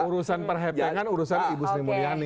urusan perheptengan urusan ibu sri mulyani